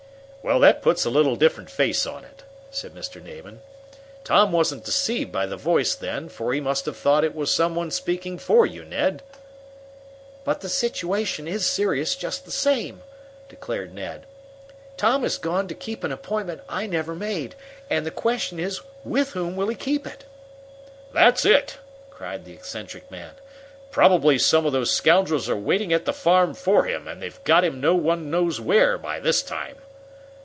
"Well, that puts a little different face on it," said Mr. Damon. "Tom wasn't deceived by the voice, then, for he must have thought it was some one speaking for you, Ned." "But the situation is serious, just the same," declared Ned. "Tom has gone to keep an appointment I never made, and the question is with whom will he keep it?" "That's it!" cried the eccentric man. "Probably some of those scoundrels were waiting at the farm for him, and they've got him no one knows where by this time!"